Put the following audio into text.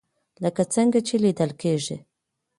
لکه څنګه چې ليدل کېږي